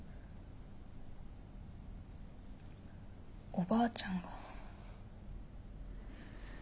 おばあちゃんが。